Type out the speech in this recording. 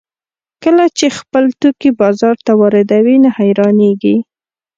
کله چې خپل توکي بازار ته واردوي نو حیرانېږي